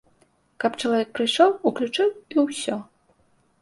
Каб чалавек прыйшоў, уключыў, і ўсё.